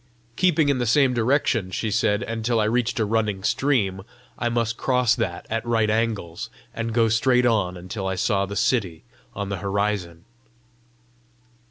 Keeping in the same direction, she said, until I reached a running stream, I must cross that at right angles, and go straight on until I saw the city on the horizon.